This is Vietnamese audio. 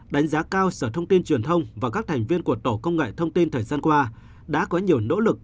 đánh giá cao sở thông tin truyền thông và các thành viên của tổ công nghệ thông tin thời gian qua đã có nhiều nỗ lực